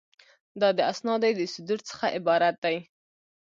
دا د اسنادو د صدور څخه عبارت دی.